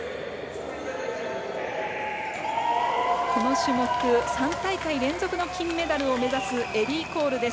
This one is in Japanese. この種目、３大会連続の金メダルを目指すエリー・コールです。